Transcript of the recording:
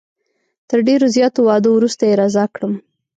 تر ډېرو زیاتو وعدو وروسته یې رضا کړم.